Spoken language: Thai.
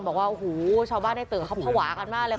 บอกว่าโอ้โหชาวบ้านในตึกเขาภาวะกันมากเลย